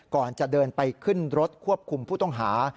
ก่อนจะเดินไปขึ้นรถควบคุมผู้ต้องหา